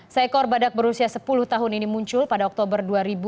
seekor badak berusia sepuluh tahun ini muncul pada oktober dua ribu dua puluh